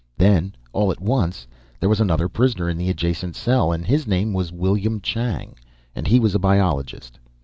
Then, all at once, there was another prisoner in the adjacent cell, and his name was William Chang, and he was a biologist.